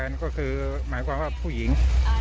ก็คือหมายความว่าผู้หญิง